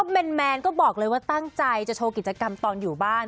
แมนก็บอกเลยว่าตั้งใจจะโชว์กิจกรรมตอนอยู่บ้าน